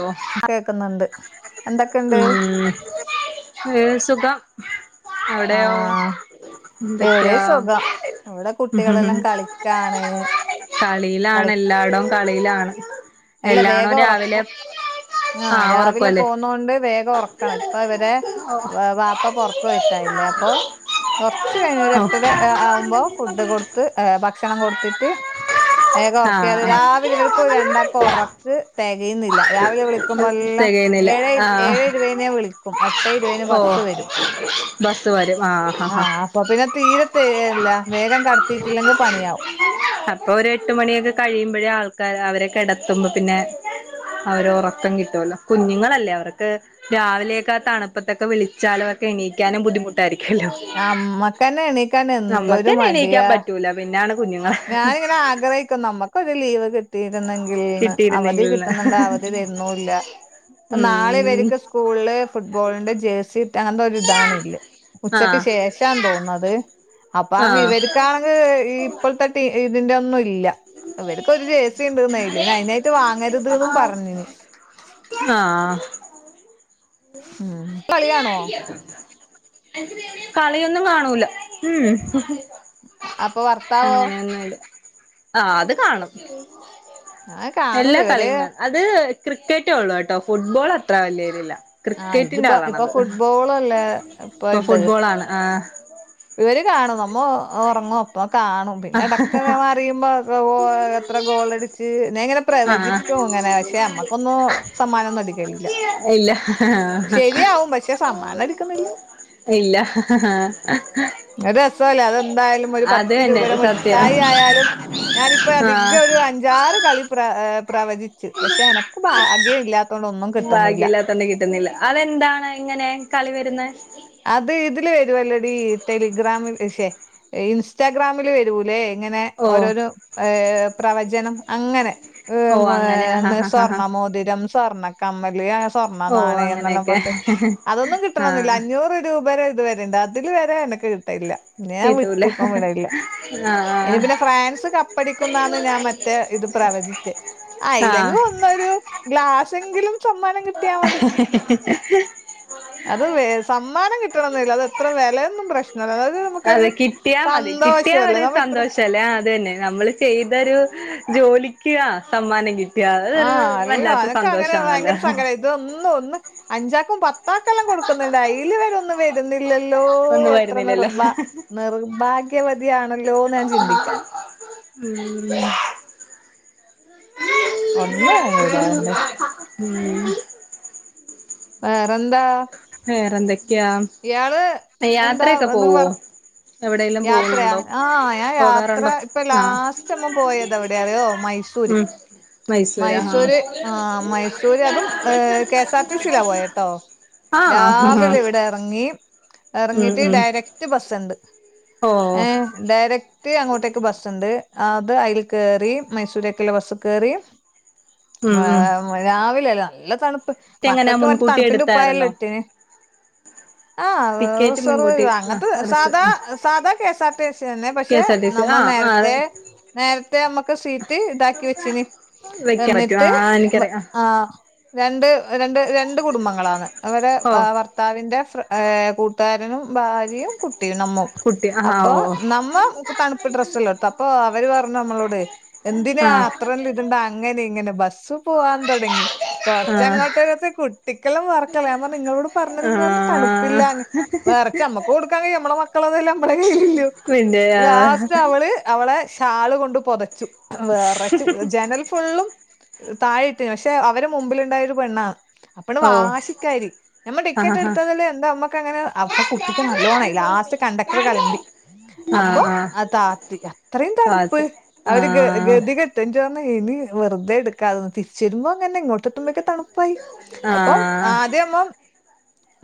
ഓ കേക്കുന്നുണ്ട് എന്തൊക്കെണ്ട് ഉം ഏ സുഖം അവിടെയോ ആഹ് എന്തൊക്കെയാ ഇവിടെയും സുഖം ഇവിടെ കുട്ടികളെല്ലാം കളിക്കാണ് കളിയിലാണ് കളി എല്ലാടോം കളിയിലാണ് എല്ലാണോ രാവിലെ ആ ആഹ് രാവിലെ ഉറക്കല്ലേ പോന്നോണ്ട് വേഗം ഒറക്കണം ഇപ്പ ഇവരെ ഓ വ വാപ്പ പൊറത്ത് പോയിട്ടായില്ലേ അപ്പൊ കൊറച്ച് കഴിഞ്ഞ് ഒരു ഓ എട്ടര ആവുമ്പോ ഫുഡ് കൊടുത്ത് ഭക്ഷണം കൊടുത്തിട്ട് വേഗം ആ ഉറക്കിയാലും ആ രാവിലെ ഇവർക്കു രണ്ടാ കൊറക്ക് തെകയുന്നില്ല. രാവിലെ വിളിക്കുമ്പോ എല്ലം തികയുന്നില്ല ഏഴെ ആ ഏഴെ ഇരുവേന് ഞാൻ വിളിക് ക്കും എട്ടേ ഇരുവേന് ബസ് ഓ വരും. ബസ് വരും ആഹ് ആഹ് അപ്പ പിന്നെ തീരെ തെകയില്ല വേഗം കടത്തിയിട്ടില്ലെങ്കിൽ പണിയാവും അപ്പൊ ഒരു എട്ട് മണിയൊക്കെ കഴിയുമ്പോഴേ ആൾക്കാര് അവരെ കെടത്തുമ്പോ പിന്നെ അവര് ഉറക്കം കിട്ടുവല്ലോ കുഞ്ഞുങ്ങളല്ലേ അവർക്ക് രാവിലെയൊക്കെ ആഹ് തണുപ്പത്തൊക്കെ വിളിച്ചാലക്കെ എണീക്കാനും ബുദ്ധിമുട്ടായിരിക്കോല്ലോ അമ്മക്കന്നെ എണീക്കാൻ എന്തൊരു മടിയാ കിട്ടൂല പിന്നാണ് കുഞ്ഞുങ്ങ ഞാനിങ്ങനെ ആഗ്രഹിക്കും നമ്മക്ക് ഒരു ലീവ് കി കിട്ടീയിരുന്നെങ്കിൽന്ന് അവധി കിട്ടിയിരുന്നെങ്കിൽന്ന് കിട്ടുന്നുണ്ട അവധി തരുന്നുല്ല ഇപ്പ നാളെ ഉം ഇവര്ക്ക് സ്കൂളില് ഫുട്ബോളിന്റെ ജേഴ്സി്ട്ട്ങ്ങാണ്ട്ല്ലെ ഒരു ഇതാണ്ല്ലേ ഉച്ചക്ക് ആഹ് ശേഷാന്ന് തോന്നുന്നു അത് അപ്പാണെങ്കി ആഹ് ഇവർക്കാണെങ്കി ഇപ്പൾ ത്തെ ടീ ഇതിൻ്റൊന്നും ഇല്ല ഇവർക്കൊരു ജേഴ്സി ഇണ്ട്ന്നയ്ല്. പിന്നെ അയിനായിട്ട് വാങ്ങര്ത് ന്നും പറഞ്ഞിനി. ആഹ് ഉം കളി കാണുവോ ആഹ് കളിയൊന്നും കാണൂല ഉം അപ്പൊ ഭർത്താവോ അങ്ങനെയൊന്നുല്ല ആഹ് അത് കാണും ഞാൻ കാണൂല എല്ലാ ഇവര് കളിയും കാണും അത് ക്രിക്കറ്റേ ഒള്ളൂ കേട്ടോ. ഫുട്ബോള് അത്ര വല്യേരിയല്ല. ആ ക്രിക്കറ്റിന്റെ ഇതിപ്പോ ഇപ്പൊ ആളാണത്. ഫുട്ബോളല്ലേ ഇപ്പൊ ഇത് ഫുട്ബോള് ആണ്. ആഹ്. ഇവര് കാണും നമ്മ ഒറങ്ങും അപ്പ കാണും പിന്നെ എടക്ക് നമ്മ അറിയുമ്പോ ഉ [unintelligible] വെച്ച് ഞാൻ ഇങ്ങനെ പ്രവചിക്കും ഇങ്ങനെ പക്ഷെ നമ്മക്കൊന്നും സമ്മാനൊന്നും അടിക്കലില്ല ആഹ് ശരിയാവും പക്ഷെ സമ്മാനം എടുക്കുന്നില്ല ഇല്ല ആഹ് ഹാ അത് രസവല്ലേ അതെന്തായാലും ഒരു പത്ത് തന്നെ രൂപെടെ സത്യം മിഠായി ആയാലും. ഞാനിപ്പ ആ അധികം ഒരു അഞ്ചാറ് കളി പ്ര പ്രവചിച്ചു പക്ഷെ എനക്ക് ഭാഗ്യം ഇല്ല ബാഗ്യല്ലാത്തോണ്ട് കിട്ടുന്നില്ല അതെന്താണ് അങ്ങനെ കളി വരുന്നെ അത് ഇതില് വരുവല്ലെടീ ടെലിഗ്രാമില് ശെ ഇൻസ്റ്റാഗ്രാമില് വരൂല്ലേ. ഇങ്ങനെ ഓ ഓരോരോ ഏഹ് പ്രവചനം അങ്ങനെ. ഓ അങ്ങനെ ആ [unintelligible] ആ ആ സ്വർണ്ണ മോതിരം സ്വർണ്ണ കമ്മല് അ സ്വർണ്ണ ഓ നാണയംന്നെല്ലാം അങ്ങനെയൊക്കെ പർഞ്ഞിട്ട് അതൊന്നും കിട്ടണം എന്നില്ല ആഹ് അഞ്ഞൂറ് രൂപെടെ ഒരിത് വര്ണ് ഉണ്ട് ഇത് വരെ എനിക്ക് കിട്ടലില്ല പിന്നെ ഞാൻ വിട്ട് കിട്ടൂല ഇപ്പം വിടലില്ല. ആഹ് ഇനി പിന്നെ ഫ്രാൻസ് കപ്പടിക്കുംന്നാന്ന് ഞാൻ മ ഇത് പ്രവചിച്ച് ആഹ് അയിലങ്ങു ഒന്നൊരു ഗ്ലാസെങ്കിലും സമ്മാനം കി [inaudible] അത് വ സമ്മാനം കിട്ടണംന്നില്ല അത് എത്ര വിലയൊന്നും പ്രശ്നമല്ല അതായത് നമുക്കൊരു അതെ സന്തോഷം അല്ലേ നമ്മള് ഇത്രോം [unintelligible] ആഹ് അത് തന്നെ നമ്മള് ചെയ്തൊരു ജോലിക്ക് ആഹ് സമ്മാനം കി കിട്ട്യാൾക്കിതൊരു ആഹ് വല്ലാത്ത സന്തോഷമാണല്ലൊ ഇതൊന്ന് ഒന്ന് അഞ്ചാക്കും പത്താക്കെല്ലാം കൊടുക്കുന്നുണ്ട് അയില് വരുന്ന് ല്ന്നില്ലല്ലോ ഒന്നും എത്ര വരുന്നില്ലല്ലോ നിർഭ നിർഭാഗ്യവതിയാണല്ലോന്നാ ഞാൻ ചിന്തിക്കാ. [unintelligible] ഒന്ന് ഇതാകണ്ടേ ഉം വേറെന്താ വേറെന്തൊക്കെയാ ഇയാള് എന്താ യാത്രയൊക്കെ എന്തങ്കിലും പോവോ വർ എവിടെലും യാത്രയാ പോകുന്നുണ്ടോ ആഹ് ഞാൻ യാത്ര പോകാറുണ്ടോ ഇപ്പൊ ആഹ് ലാസ്റ്റ് നമ്മ പോയത് വിടെയാ അറിയോ മൈസൂ തൂര് മൈസൂരാ ആഹ് ആഹ് മൈസൂര് അതും കെ എസ് ആർ ടി സിയിലാ പോയേട്ടോ ആഹ് രാവിലെ ആഹ് ഇവിടെ ഭംഗീമ് ഉം ഇറങ്ങിട്ട് ഉം ഡയറക്ട് ബസ്സണ്ട് ഓ ഏ ഡയറക്റ്റ് അങ്ങോട്ടേക്ക് ബസുണ്ട് അത് അയിൽ കേറി മൈസൂരേക്കെുള്ള ബസ് കേറി ഉം ഉം ട്രാവ രാവിലെല്ല നല്ല തണുപ്പ് എങ്ങനാ മക്കൾക്ക് മറ്റേ മുൻകൂട്ടി തണുപ്പിന്റെ ഉപ്പായല്ലേ എടുത്തായിരുന്നോ ഇട്ടീനി ടിക്കറ്റ് മുൻകൂട്ടി ആഹ് അങ്ങനത്തെ ആഹ് റിസർ സാധാ ആഹ് സാധാ കെ സാർ ആർ ട്ടി സിന്നെ കെ പക്ഷെ എസ് ആർ ടി പക്ഷെ സി നമ്മൾ ആഹ് ആഹ് നേരത്തെ നേരത്തെ മ്മക്ക് സീറ്റ് ഇതാക്കി വെച്ചിനി വെക്കാൻ പറ്റും എന്നിട്ട് ആഹ് വ് എനിക്കറിയാം ആഹ് രണ്ട് രണ്ട് രണ്ട് കുടുംബങ്ങളാണ് അവരെ ആഹ് ഓ ഭർത്താവിന്റെ ഫ്റ് ഏഹ് കൂട്ടുകാരനും ഭാര്യയും കുട്ടിയും നമ്മും കുട്ടി ആഹ് അപ്പൊ ഓ ഓ നമ്മ തണു ഡ്രസ്സല്ലാടത് അപ്പൊ അവര് പറഞ്ഞു നമ്മളോട് എന്തിനാ ആഹ് അത്രല്ലട് ഇടണ്ട അങ്ങനെ ഇങ്ങനെ ബസ് പോവാൻ തുടങ്ങി ആഹ് കൊറച്ചങ്ങോട്ട് കുട്ടിക്കെലം മറക്കല്ലേ ഞ നിങ്ങളോട് പറഞുന്ന് പറഞ്ഞു ആഹ് തണുപ്പിലാഞ് വേറച്ച നമ്മക്ക് കൊടുക്കാൻ കഴിയും നമ്മടെ മക്കള അതല്ല നമ്മടെ കയ്യിലില്ലേ പിന്നെ ലാസ്റ്റ് അവള് അവളെ ഷാള് കൊണ്ട് പൊതച്ചു വെറച്ചു ജനൽ ഫുള്ളും താഴെ ഇട്ട് പക്ഷെ അവരെ മുമ്പിലുണ്ടായൊരു പെണ്ണാ അപ്പള് ഓ വാശിക്കാരി നമ്മൾ ആഹ് ടിക്കറ്റ് ആഹ് എടു ത്തതല്ലേ ന്റെ അമ്മക്ക് അങ്ങനെ അപ്പൊ കുട്ടിക്ക് നല്ലോണായി ലാസ്റ്റ് കണ്ടക്ടർ ആഹ് കലമ്പി അപ്പൊ ആഹ് അതാത്തിക അത്രയും തണുപ്പ് താഴത്ത് അവര് ആഹ് ഗതിക പ്പൊ എനിക്ക് തോന്നുന്നേ ഇനി വെറുതെ എടുക്കാതെ തിരിച്ച് വരുമ്പോ അങ്ങനെ ഇങ്ങോട്ടെത്തുമോഴക്കെ തണു പൈ അപ്പം ആഹ് ആദ്യമ്മം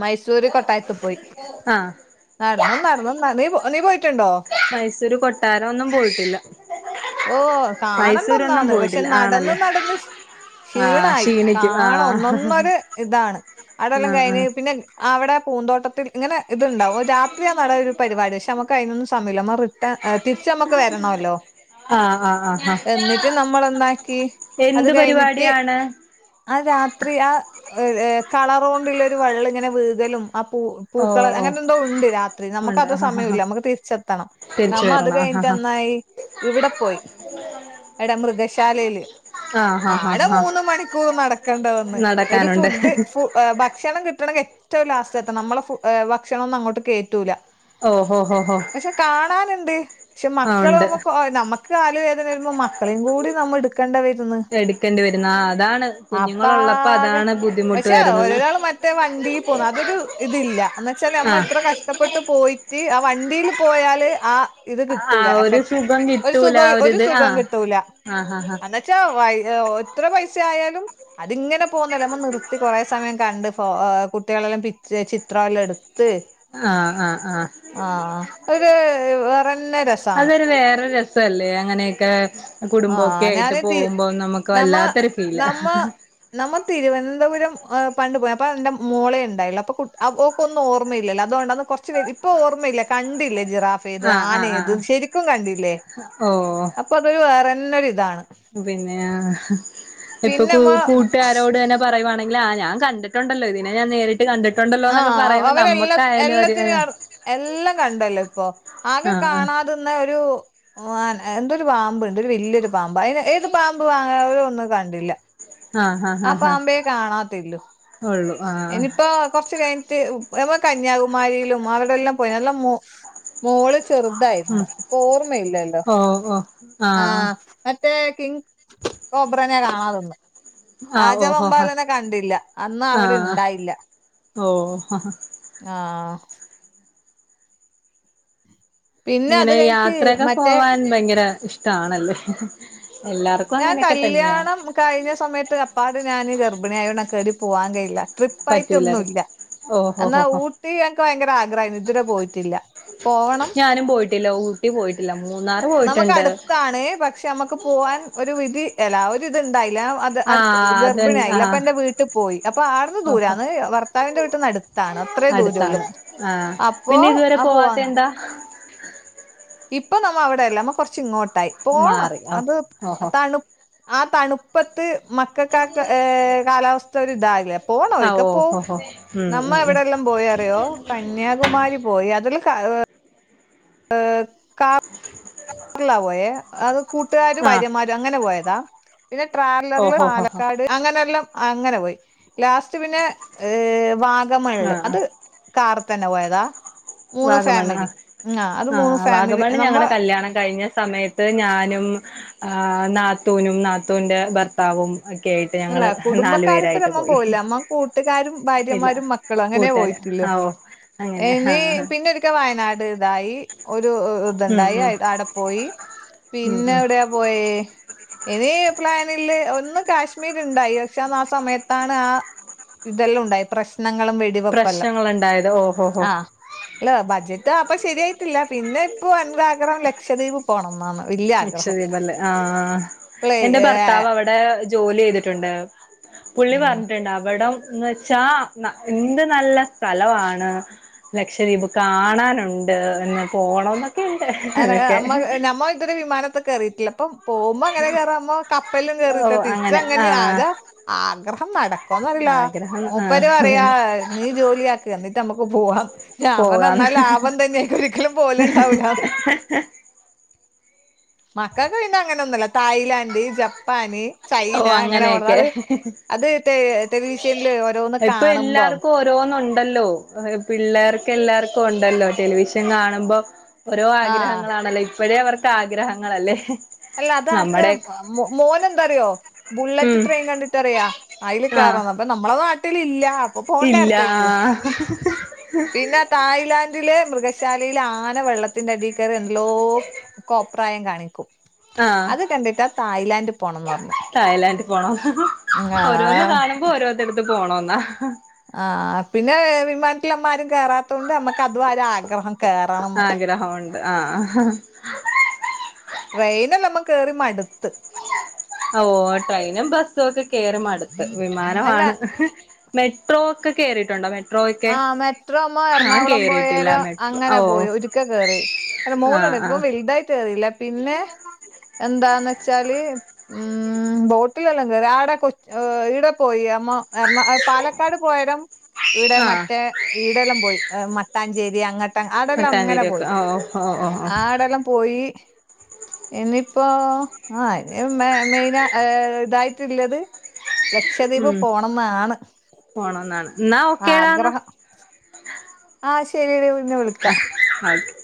മൈസൂര് കൊട്ടായത്ത്പുയി ആഹ് നടന്ന് നടന്ന് നനേ നീ പോയിട്ടുണ്ടോ മൈസൂര് കൊട്ടാരം ഒന്നും പോയിട്ടില്ല ഓ കാണണ്ട മൈസൂരൊന്നും ഒന്നാന്ന് പക്ഷെ പോയിട്ടില്ല നടന്ന് ആണല്ലേ നടന്ന് ആഹ് ക്ഷീണായി ക്ഷീണിക്കും കാണോ ആഹ് ഒന്നന്നര ഇതാണ് അവിടെല്ലാം ആഹ് കഴിഞ്ഞ് പിന്നെ അവിടെ പൂന്തോട്ടത്തിൽ ഇങ്ങനെ ഇത്ണ്ടാവും രാത്രിയാ നട ഒരു പരിപാടി പക്ഷെ നമുക്ക് ക്ക്‌ അയ്നൊന്നും സമയുല്ല റിട്ടേൺ തിരിച്ച് നമ്മക്ക് വരണല്ലോ ആഹ് ആഹ് ആഹ് ആഹ് ആഹ് എന്നിട്ട് നമ്മളെന്നാക്കി അത് എന്ത് കഴിഞ്ഞിട്ട് പരിപാടിയാണ് ആ രാത്രി ആ കളറോണ്ട് കൊണ്ടുള്ള ഒരു വള്ളി ഇങ്ങനെ വീകലും ആ പൂ ഓ പൂക്കൾ ഓ അങ്ങനെ എന്തോ ഉണ്ട് രാത്രി നമുക്ക് ഉണ്ട് അത് ആഹ് ആഹ് ആഹ് സമയമല്ല നമ്മുക്ക് തിരിച്ചെത്തണം തിരിച്ചു നമ്മ അത് വരണം ആഹ് കഴിഞ്ഞിട്ട് ആഹ് എന്നായി ഇവിടെ പോയി എടെ മൃഗശാലേല് ആഹ് ആഹ് ആടെ ആഹ് ആഹ് മൂന്ന് മണിക്കൂർ നടക്കണ്ട വന്ന് ഒരു നടക്കാനുണ്ട് ഫുഡ് ഫു ഭക്ഷണം കിട്ടണ ഏറ്റവു ലാസ്റ്റത്തെണം നമ്മളെ അ ഫു ഭക്ഷണന്നും അങ്ങോട്ട് കയറ്റൂല്ല ഓ ഹോ ഹോ ഹോ പക്ഷെ കാണാനുണ്ട് പക്ഷെ ആ മക്കൾ ഉണ്ട് നമ്മ നമ്മക്ക് കാല് വേദന വരുമ്പോ മക്കളേം കൂടി നമ്മള് എടു കണ്ട വിരുന്ന് എടുക്കേണ്ടി വരുന്ന ആ അതാണ് കുഞ്ഞുങ്ങളുള്ളപ്പോ അപ്പാകെ അതാണ് ബുദ്ധിമുട്ട് പക്ഷേ വരുന്നത് ഒരാള് മറ്റെ വണ്ടിൽ പോ അതൊരു ഇതില്ല എന്നച്ചാൽ നമ്മ ആഹ് എത്ര കഷ്ടപ്പെട്ട് പോയിട്ട് ആ വണ്ടിൽ പോയാല് ആ ഇത് ആ കിട്ടൂല ഒരു എഫക്ട് സുഖം ഒരു സുഖ കിട്ടൂല ആ ഒരു ഒരിത് സുഖം ആഹ് കിട്ടൂല ആഹ് ആഹ് ആഹ് അന പക്ഷെ എത്ര പൈസ ആയാലും അതിങ്ങനെ പോന്നേലും നിർത്തി കുറെേ സമയം കണ്ട് കുട്ടികളെല്ലാം പിച്ചേ ചിത്രമേല്ലാം എടുത്ത് ആഹ് ആഹ് ആഹ് ആഹ് ഒരു വേറെന്നെ രസമാണ് അത് വേറെ രസ് രസല്ലേ അങ്ങനെക്കെ ആ കുടുംബൊക്കെ ആയിട്ട് ഞാന് തി പോകുമ്പോ നമുക്ക് നമ്മ വല്ലാത്തൊരു ഫീല നമ്മ നമ്മ തിരുവർന്തപുരം പണ്ട് പോയി അപ്പ എന്റെ മോളെ ഉണ്ടായുള്ളു അപ്പൊ കു അപ്പോക്കൊന്നും ഓർമ്മലല്ലോ അതൊണ്ടന്ന്. കൊറച്ച് വൈ ഇപ്പൊ ഓർമ്മല്ലേ. കണ്ടില്ലേ ജിറാഫേത് ആഹ് ആഹ് ആനേത് ആഹ് ശരിക്കു കണ്ടില്ലേ ഓ അപ്പൊ അത് വേറെ. ന്ന്നൊരിതാണ്. പിന്നെ ആഹ് ഇപ്പ കൂ നമ്മ കൂട്ടാരോടന്നെ. പറയുവാണെങ്കില് ആ ഞാ കണ്ടിട്ടുണ്ടല്ലോ തിനെ ഞാ നേരി ആഹ് അവരെല്ലാം ഒരു എല്ലാത്തിനും എല്ലാം കണ്ടല്ലോ ഇപ്പൊ ആകെ ആഹ് കാണാ തിന്നഒരു ഓ അൻ എന്റൊരു വാമ്പ്ണ്ട് ഒരു വല്യൊരു പാമ്പ് അയ്ന ഏത് പാമ്പ് വാങ്ങവു ഒന്നു കണ്ടില്ല. ആഹ് ആഹ് ആഹ് ആ ആഹ് പാമ്പെ ആഹ് കാണാത്തില്ലൂ ഉള്ളു ആഹ് എനിപ്പോ. കൊറച്ച് കൈയ്ൻറ്റ് എതൊ കന്യാകുമാരിയിലും അവ്ടെല്ലൊ പോയി നല്ല മോ മോള്. ചെറ്തായിര്ന്നു ഉം പ്പൊർമ്മല്ലല്ലോ ഓ ഓ ആഹ്. മറ്റേ കിങ് കോബ്രനെ കാണാറ്ണ്ട്. ആഹ് ഓഹോ രാജവമ്പാലന കണ്ടില്ല അന്നവ്ടിണ്ടായില്ല. ഓ ആഹ്. പിന്നെ അത് ങ്ങനെ കഴിഞ്ഞിട്ട് യാത്രക്കെ മറ്റേ പോവാൻ ഭയങ്കര ഇഷ്ടാണല്ലേ എല്ലാർ ഞാൻ കല്യാണം കഴിഞ്ഞ സമയത്ത് അപ്പാട് ഞാൻ ഗർഭിണിയായോണ്ട് അൻക്ക് എട്യു പോവാൻ കഴില്ല. പറ്റൂലർ ട്രിപ്പായിട്ടൊന്നുല്ല ഓഹോ എന്നാ ഹോ ഹോ ഊട്ടി ഞക്കയങ്കരാഗ്രായ്ര്ന്നു ഇതുവരെ പോയി ഞാനും പോയിട്ടില്ല ഊട്ടി പോയിട്ടില്ല മൂന്നാറ് പോയിട്ടുണ്ട്. ട്ടാണ് പക്ഷെ അമക്ക് പോവാൻ ഒരു വിധി. എല്ലാവും ഇത്ണ്ടായില്ല അത് ആഹ് അടുത്ത് അത്ണ്ട് ഗർഭിണിയായിലെ ആഹ് അപ്പൊന്റെ വീട്ടിൽ പോയി അപ്പൊ ആടുന്ന് ഓഹോ ദൂരാണ് വർ താവിന്റെ വീട്ട്ന്നട്ത്താണ് അത്രേ ദൂരുള്ളു അടുത്താണ് ആഹ് അപ്പൊ പിന്നെ ഇതുവരെ ആ പോവാത്ത പോവാന് എന്താ ഇപ്പൊ നമ്മ അവ്ടല്ല മ്മ കൊറച്ചിങ്ങോട്ടായി പോണം മാറി ഓ അത് ഓഹോ തണു ആ തണ്പ്പത്ത് മക്കക്കാറ്റൊ ഏ കാലാവസ്ഥര്താകെ പോണോ ഒരിക്ക ആഹ് പോവും ഓഹോ ഹോ ഉം നമ്മ ഉം ഉം അവിടെല്ലൊ മ്പോയറിറോ കന്യാകുമാരി പോയി അതില് ക ഏ കാ [inaudible] ർലാ പോയെ അത് കൂട്ടുകും ആഹ് ഭാര്യമ്മാരും അങ്ങനെ പോയതാ പിന്നെ ട്രാവലറൽ ഓഹോ ഹോ ഹോ പാലാക്കാട് അങ്ങനെല്ലം അങ്ങനെ പോയി ലാസ്റ്റ് പിന്നെ ഏ വാഗമൺള് ആഹ് അത് ആഹ് കാറ്തന്നെ പോയതാ മൂന്ന് വാഗമണ് ആഹ് ഫാമിലി ഉം ആ അത് മൂന്ന് ആഹ് ഫേമലി വാഗമണ് നമ്മൊ ഞങ്ങടെ കല്യാണം കഴിഞ്ഞ സമയത്ത് ഞാനും ഏ നാത്തൂനും നാത്തൂന്റെ ഭർത്താവും ഒക്കെ ആയിട്ട് ല്ല ഞങ്ങള് നാലു കുടുംബക്കാരപ്പൊ പേരായിട്ട് നമ്മ പോയി പോവുല്ല നമ്മ കൂട്ടുകാരും ഇല്ല ഭാര്യമാരും ക്കളങ്ങനെ കൂട്ടുകാര് പോയിട്ടില്ലൂ ആ ഓ അങ്ങനെ എനി ആഹ് പിന്നൊരി ക്ക വയനാട്തായി ഒരു ഉം ഇതുണ്ടായി ഉം അവപട പോയി ഉം ഉം പിന്നവടയ. പോയി ഇനി പ്ലാനില്ല ഒന്ന് കാശ് കാശ്മീര് ഇണ്ടായി പക്ഷെ അന്നാ ആസമയത്താണ് ആഹ് ഇതെല്ലൊ ഉണ്ടായി പ്രശ്നങ്ങളും വെ പ്രശ്നങ്ങള്ണ്ടായത് ഓഹോ ഹോ. ല്ല ബഡജറ്റ് അപ്പൊ ശരിയായിട്ടില്ല പിന്നെ ഇപ്പൊ എന്താഗണം ലക്ഷദ്വീപ് പോണംന്നാണ് വലി അക്ഷദ്വീപല്ലേ ആ ആ എന്റെ ഭർത്താവ് അവ ടെ ജോലി ചെയ്തിട്ട്ണ്ട് പുള്ളി ആഹ് പറഞ്ഞിട്ട്ണ്ട് അവിടം ന്നെച്ചാ ന എന്ത് നല്ല സ്ഥലവാണ് ലക്ഷദ്വീപ് കാണാനൊണ്ട് എന്ന് പോണൊന്നൊ അന അമ്മ ഞമ്മ ഇതുവരെ വിമാനത്തൊക്കെ കേറിട്ടില്ല ഇപ്പം പോകുമ്പോ അങ്ങനെ കേറാമ്പോ കപ്പലിലും ഓ കേറിട്ട അങ്ങനെ തിരിച്ചങ്ങനെ ആഹ് ആതാ ആഗ്രഹം നടക്കൊന്നറില്ല ആഗ്രഹം മൂപ്പര് ആഹ് പറയാ അതന്നെ നീ ജോലിയാക് എന്നിട്ട് നമ്മക്ക് പോവാ ലാഭം പോകാന്ന് തന്നാ ലാഭം തന്നെയാ കിട്ടല് പോലെണ്ടാവൂല [inaudible] മക്കക്ക് പിന്നെ അങ്ങനൊന്നും ഇല്ല തായ്ലാൻഡ്, ജപ്പാന് ഓ ചൈന അങ്ങനെ അങ്ങനെയൊക്കെ പോണത് അത് അത് ടെലിവിഷനിൽ ഓരോന്ന് കാണുമ്പം ന്തോന്നുണ്ടല്ലോ പിള്ളേർക്ക് എല്ലാർക്കും ഒണ്ടല്ലോ ടെലിവിഷൻ കാണുമ്പം ഓരോ ആഹ് ആഗ്രഹങ്ങളാണല്ലോ ഇപ്പഴേ അവർക്ക് ആഗ്രഹങ്ങളല്ലേ അല്ല അത അടുത്ത നമ്മടെ മോന് എന്താറിയോ ബുള്ളറ്റ് ഉം ട്രെയിൻ കണ്ടിട്ടറിയാ അതില് ആഹ് കേറണം അപ്പ നമ്മളെ നാട്ടിലില്ല അപ്പൊ പോണ്ടേ ഇല്ല അടുത്തേക്ക് ആഹ് പിന്നെ തായ്ലാൻഡില് മൃഗശാലയിൽ ആന വെള്ളത്തിന്റെ അടീക്കേറി എന്തെല്ലോ കോപ്രായം കാണിക്കും ആഹ് അത് കണ്ടിട്ടാ തായ്ലാൻഡ് പോണംന്ന് പറഞ്ഞത് തായ്ലാൻഡിൽ പോണം ഓരോന്ന് കാണുമ്പം ഓരോന്നടുത്ത് പോണന്നാ ആഹ് പിന്നെ വിമാനത്തിലപ്പാരും കേറാത്ത കൊണ്ട് നമ്മക്ക് അതും ഒരാഗ്രഹം കേറണന്ന് ആഗ്രഹമുണ്ട് ആഹ് ട്രെയിന നമ്മ കേറി മടുത്ത് ഓഹ് ട്രെയിനും ബസ്സും ഒക്കെ കേറി മടുത്ത് അല്ല വിമാനമാണ്. മെട്രോ ഒക്കെ കേറീട്ടുണ്ടോെ? ആഹ് മെട്രോമ്മോ എറണാകുളം കേറിയിട്ടില്ല പോയേരം മെട്രോ ഓ അങ്ങനെ പോയി ഒരിക്കെ കേറി. അല്ല മോളണ് ആഹ് ഇപ്പൊ ആഹ് വലുതായി ട്ടില്ല പിന്നെ എന്താന്ന് വെച്ചാല് ആഹ് ബോട്ടിലെല്ലാം കേറി ആടെ കൊ ഇവിടെ പോയി അമ്മ എർണാ പാലക്കാട് പോയേരം ഇവിടെ ആഹ് മറ്റേ ഈടെല്ലാം പോയി മട്ടാഞ്ചേരി അങ്ങ ആടെല്ലാം അങ്ങനെ മട്ടാഞ്ചേരി ഒക്കെ പോയി ഓ ഓ ഓ ഓ ആടെല്ലാം പോയി ഇനിപ്പോ ആ ഇനി മെയിന ഇതായിട്ടുള്ളത് ലക്ഷദ്വീപ് പോണംന്നാണ്. പോണംന്നാണ് ന്നാ ഓക്കേ ടാ ആഗ്രഹം ആഹ് ശരി ടി പിന്നെ വിളിക്ക [unintelligible]